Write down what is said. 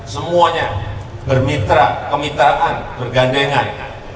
semuanya bermitra kemitraan bergandengan